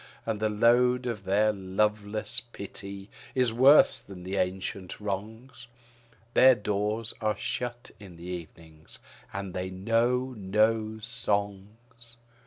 And the load of their loveless pity is worse than the ancient wrongs, Their doors are shut in the evening; and they know no songs.